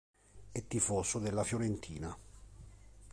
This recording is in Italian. È tifoso della Fiorentina.